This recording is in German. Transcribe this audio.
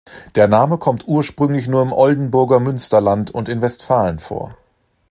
Der Name kommt ursprünglich nur im Oldenburger Münsterland und in Westfalen vor.